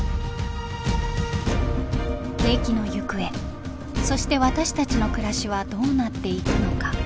景気の行方そして私たちの暮らしはどうなっていくのか。